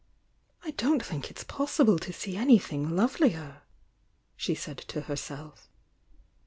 "I don't think it's possible to see anything love i. !" she said 'o herself.